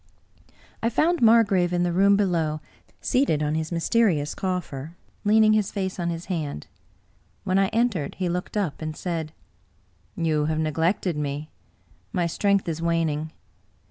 I found Margrave in the room below, seated on his mysterious coffer, leaning his face on his hand. When I entered, he looked up, and said :" You have neglected me. My strength is waning.